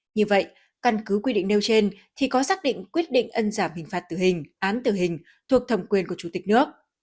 như vậy căn cứ quy định nêu trên thì có xác định quyết định ân giảm hình phạt tử hình án tử hình thuộc thẩm quyền của chủ tịch nước